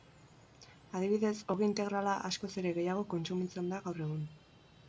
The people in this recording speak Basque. Adibidez, ogi integrala askoz ere gehiago kontsumitzen da gaur egun.